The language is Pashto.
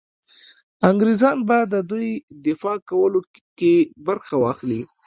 انګرېزان به د دوی دفاع کولو کې برخه واخلي.